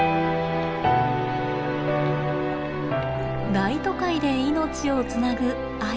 大都会で命をつなぐアユ。